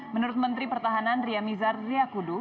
menurut menteri pertahanan ria mizar ria kudu